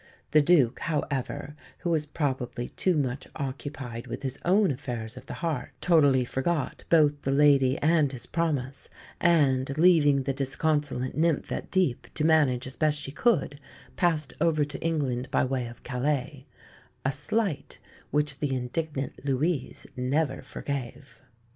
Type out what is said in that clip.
The Duke, however, who was probably too much occupied with his own affairs of the heart, "totally forgot both the lady and his promise; and, leaving the disconsolate nymph at Dieppe, to manage as best she could, passed over to England by way of Calais," a slight which the indignant Louise never forgave.